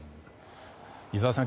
井澤さん